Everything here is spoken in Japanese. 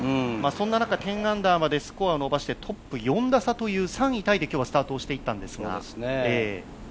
そんな中、１０アンダーまでスコアを伸ばしてトップ４打差という３位タイで今日はスタートをしていったんですが。